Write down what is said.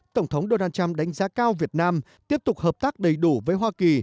tổng thống donald trump đánh giá cao việt nam tiếp tục hợp tác đầy đủ với hoa kỳ